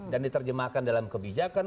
dan diterjemahkan dalam kebijakan